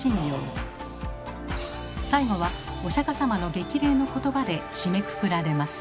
最後はお釈様の激励の言葉で締めくくられます。